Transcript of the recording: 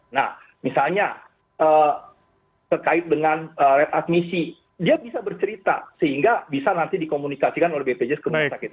nah misalnya terkait dengan redadmisi dia bisa bercerita sehingga bisa nanti dikomunikasikan oleh bpjs kesehatan